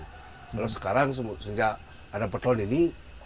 kalau sekarang sejak ada peton ini